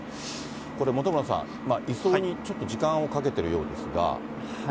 これ、本村さん、移送にちょっと時間をかけているようですが。